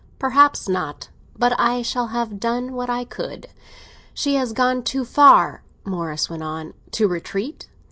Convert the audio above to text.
"Perhaps not. But I shall have done what I could." "She has gone too far," Morris went on. "To retreat?